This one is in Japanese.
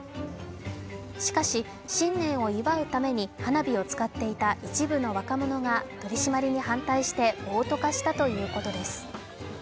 しかし新年を祝うために花火を使っていた一部の若者が取り締まりに反対して暴徒化したということです。